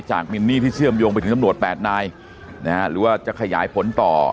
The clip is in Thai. มินนี่ที่เชื่อมโยงไปถึงตำรวจแปดนายนะฮะหรือว่าจะขยายผลต่อ